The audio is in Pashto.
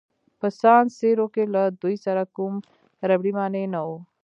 په سان سیرو کې له دوی سره کوم ربړي مانع نه وو.